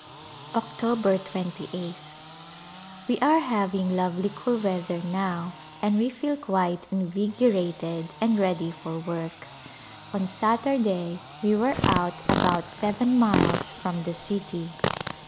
October 28th. We are having lovely cool weather now and we feel quite invigorated and ready for work. On Satur day we were out about seven miles from the city.